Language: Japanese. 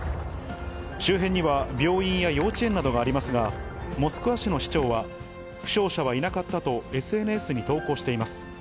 周辺には病院や幼稚園などがありますが、モスクワ市の市長は、負傷者はいなかったとＳＮＳに投稿しています。